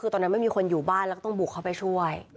คือตอนนั้นไม่มีคนอยู่บ้านแล้วก็ต้องบุกเข้าไปช่วย